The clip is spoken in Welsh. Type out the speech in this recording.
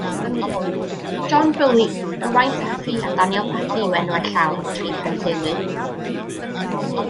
John Bully, Ywain Taffi, a Daniel Paddy yw enwau llawn y tri penteulu.